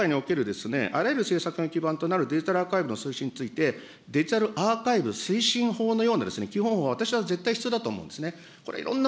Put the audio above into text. デジタル社会における、つまり政策の基盤となるデジタルアーカイブの推進について、デジタルアーカイブ推進法のような基本法は私は絶対必要だと思うんですね。